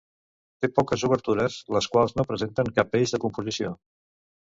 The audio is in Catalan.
Té poques obertures, les quals no presenten cap eix de composició.